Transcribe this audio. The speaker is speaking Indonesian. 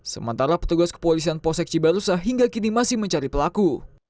sementara petugas kepolisian posek cibalusa hingga kini masih mencari pelaku